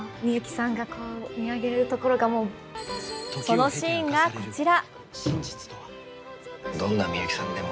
そのシーンがこちら。